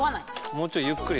もうちょいゆっくり。